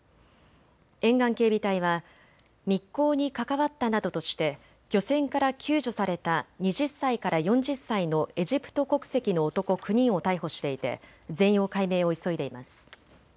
沿岸警備隊は密航に関わったなどとして漁船から救助された２０歳から４０歳のエジプト国籍の男９人を逮捕していて全容解明を急いでいます。